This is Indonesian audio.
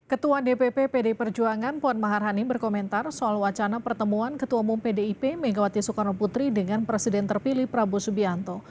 ketua dpp pdi perjuangan puan maharani berkomentar soal wacana pertemuan ketua umum pdip megawati soekarno putri dengan presiden terpilih prabowo subianto